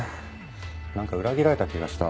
なんか裏切られた気がした。